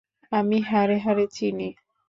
আমি হাড়ে-হাড়ে চিনি।